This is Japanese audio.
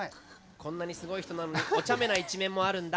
こんなにすごい人なのにおちゃめな一面もあるんだ。